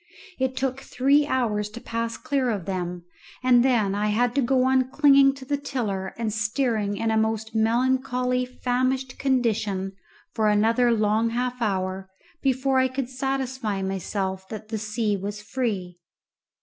It took three hours to pass clear of them, and then I had to go on clinging to the tiller and steering in a most melancholy famished condition for another long half hour before I could satisfy myself that the sea was free.